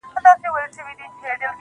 ملاکه چي په زړه کي په وا وا ده,